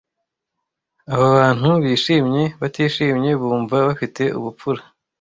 aba bantu bishimye batishimye bumva bafite ubupfura